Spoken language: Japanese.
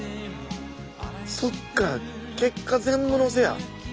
そっか結果全部載せや！